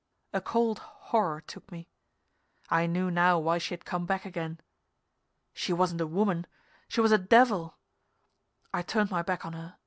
A cold horror took me. I knew now why she had come back again. She wasn't a woman she was a devil. I turned my back on her.